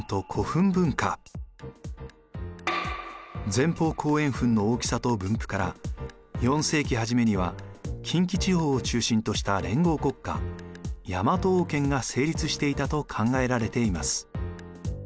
前方後円墳の大きさと分布から４世紀初めには近畿地方を中心とした連合国家・大和王権が成立していたと考えられています。